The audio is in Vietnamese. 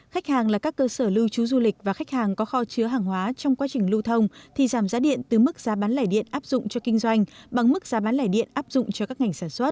khách hàng là các cơ sở lưu trú du lịch và khách hàng có kho chứa hàng hóa trong quá trình lưu thông thì giảm giá điện từ mức giá bán lẻ điện áp dụng cho kinh doanh bằng mức giá bán lẻ điện áp dụng cho các ngành sản xuất